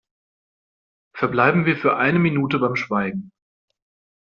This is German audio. Verbleiben wir für eine Minute beim Schweigen!